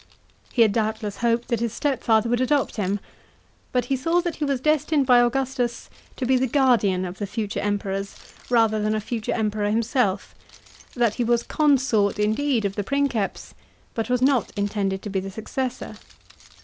He had doubtless hoped that his step father would adopt him. But he saw that he was destined by Augustus to be the guardian of the future Emperors, rather than a future Emperor him self, that he was consort indeed of the Princeps, but was not intended to be the successor.